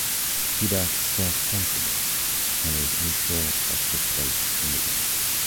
He lacks self-confidence and is unsure of his place in the world.